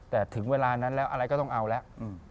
แต่ถึงเวลานั้นแล้วอะไรก็ต้องเอาแล้ว